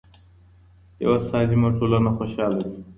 يوه سالمه ټولنه خوشحاله وي.